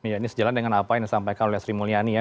ya ini sejalan dengan apa yang disampaikan oleh sri mulyani ya